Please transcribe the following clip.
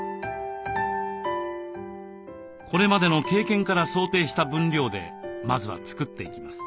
これまでの経験から想定した分量でまずは作っていきます。